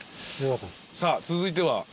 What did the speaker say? さあ続いては？